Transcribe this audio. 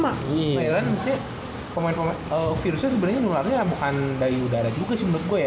maksudnya virusnya sebenernya nularnya bukan dari udara juga sih menurut gue ya